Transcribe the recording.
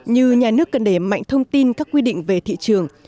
như nhà nước cần đẩy mạnh thông tin các quy định về thị trường